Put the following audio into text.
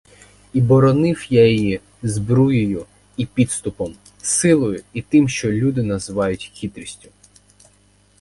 І боронив я її збруєю і підступом, силою і тим, що люди, називають хитрістю.